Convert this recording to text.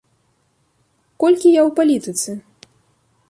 Колькі я ў палітыцы?